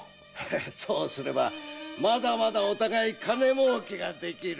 そうすればまだまだお互い金儲けができる。